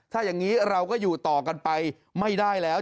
ถ้าอย่างนี้เราก็อยู่ต่อกันไปไม่ได้แล้ว